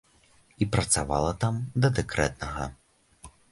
І працавала там да дэкрэтнага.